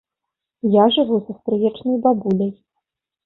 Я жыву са стрыечнай бабуляй.